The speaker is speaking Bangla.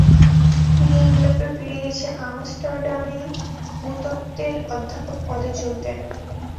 তিনি ইউরোপে ফিরে এসে আমস্টারডামেই ভূতত্ত্বের অধ্যাপক পদে যোগ দেন।